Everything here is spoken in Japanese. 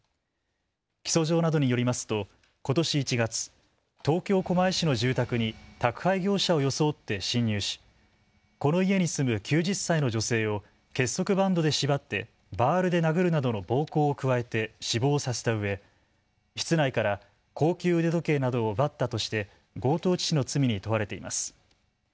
起訴状などによりますとことし１月、東京狛江市の住宅に宅配業者を装って侵入しこの家に住む９０歳の女性を結束バンドで縛ってバールで殴るなどの暴行を加えて死亡させたうえ室内から高級腕時計などを奪ったとして強盗致死の罪に問われています。